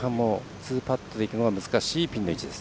２パットでいくのが難しいピンの位置です。